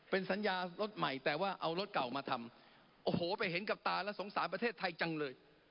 เป็นสัญญารถใหม่แต่ว่าเอารถเก่ามาทำโอ้โหไปเห็นกับตาแล้วสงสารประเทศไทยจังเลย